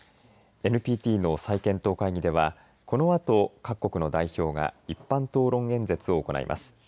ＮＰＴの再検討会議ではこのあと、各国の代表が一般討論演説を行います。